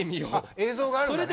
映像があるのね。